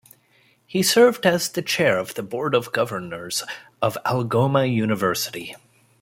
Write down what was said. He served as the chair of the Board of Governors of Algoma University.